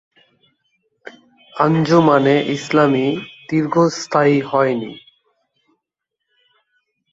আঞ্জুমানে ইসলামী দীর্ঘস্থায়ী হয় নি।